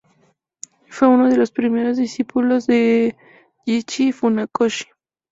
Fue uno de los primeros discípulos de Gichin Funakoshi.